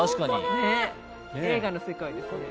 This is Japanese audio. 映画の世界ですね。